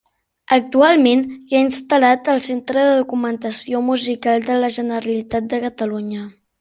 Actualment hi ha instal·lat el Centre de Documentació Musical de la Generalitat de Catalunya.